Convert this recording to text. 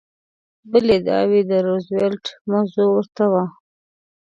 بلې ادعا کې د روزولټ موضوع ورته وه.